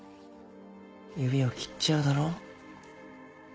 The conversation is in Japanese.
指を切っちゃうだろ。